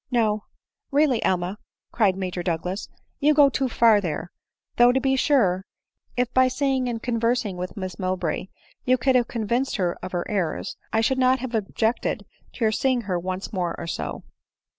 \" No ; really, Emma," cried Major Douglas, " you go too far there ; though to be sure, if by seeing and con versing with Miss Mowbray you could have convinced her of her errors, I should not have objected to your seeing} her once more or so."